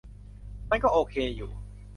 มันก็โอเคอยู่